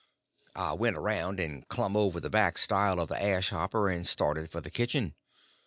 I went around and clumb over the back stile by the ash hopper, and started for the kitchen.